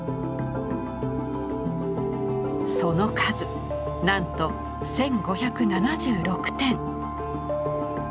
その数なんと１，５７６点！